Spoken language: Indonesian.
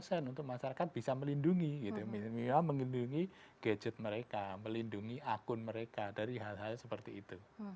untuk masyarakat bisa melindungi gitu melindungi gadget mereka melindungi akun mereka dari hal hal seperti itu